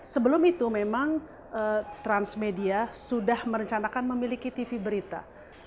sebelum itu memang transmedia sudah merencanakan memiliki tv berita